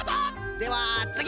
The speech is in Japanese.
ではつぎ！